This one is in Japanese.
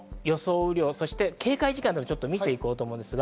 雨量、そして警戒時間を見ていきます。